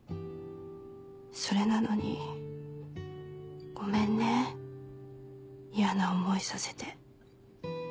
それなのにごめんねイヤな思いさせて」。